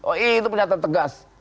oh iya itu pernyataan tegas